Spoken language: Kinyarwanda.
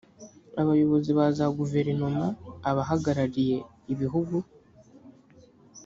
abayobozi ba za guverinoma abahagarariye ibihugu